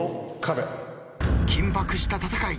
緊迫した戦い